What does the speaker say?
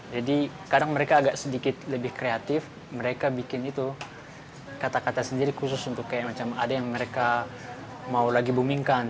jadi kadang mereka agak sedikit lebih kreatif mereka bikin itu kata kata sendiri khusus untuk kayak macam ada yang mereka mau lagi boomingkan